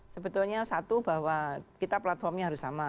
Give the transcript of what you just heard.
sebetulnya satu bahwa kita platformnya harus sama